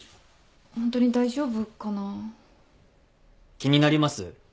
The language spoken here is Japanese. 気になります？